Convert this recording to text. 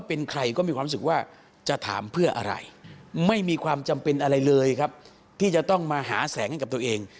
เป็นอะไรเลยครับที่จะต้องมาหาแสงให้กับตัวเอง